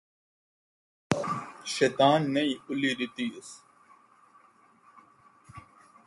شیطان نیں اُلّی ݙتی ہِس